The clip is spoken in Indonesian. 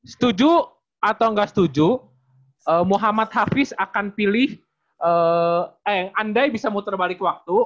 setuju atau nggak setuju muhammad hafiz akan pilih eng andai bisa muter balik waktu